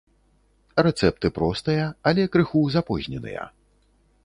Рэцэпты простыя, але крыху запозненыя.